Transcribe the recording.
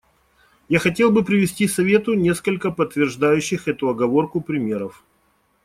Я хотел бы привести Совету несколько подтверждающих эту оговорку примеров.